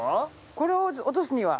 これを落とすには。